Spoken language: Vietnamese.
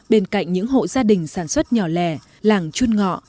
bên cạnh những hộ gia đình sản xuất nhỏ lẻ làng chun ngọ